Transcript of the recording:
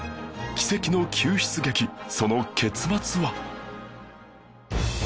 奇跡の救出劇その結末は